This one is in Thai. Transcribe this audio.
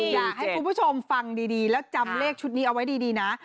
อยากให้คุณผู้ชมฟังดีแล้วจำเลขชุดนี้เอาไว้ดีนะ